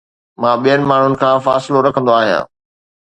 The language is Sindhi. مان ٻين ماڻهن کان فاصلو رکندو آهيان